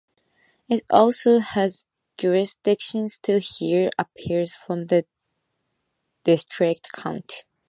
It also has jurisdiction to hear appeals from the District Court.